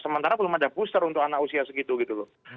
sementara belum ada booster untuk anak usia segitu gitu loh